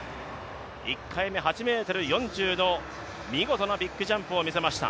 １回目、８ｍ４０の見事なビッグジャンプを見せました。